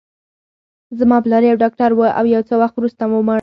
زما پلار یو ډاکټر و، او یو څه وخت وروسته ومړ.